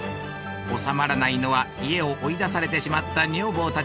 おさまらないのは家を追い出されてしまった女房たち。